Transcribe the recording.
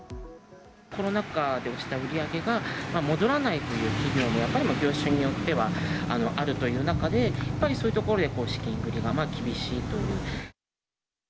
コロナ禍で落ちた売り上げが戻らないという企業も、やっぱり業種によってはあるという中で、やっぱりそういうところで資金繰りが厳しいという。